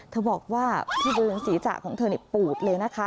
เธอบอกว่าที่บริเวณศีรษะของเธอปูดเลยนะคะ